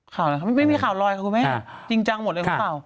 ข่าวอะไรไม่มีข่าวลอยครับคุณแม่จริงจังหมดเลยข่าว